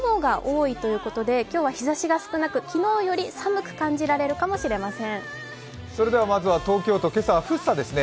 ただ雲が多いということで今日は日ざしが少なく昨日より寒く感じられるかもしれません。